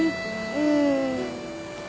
うん。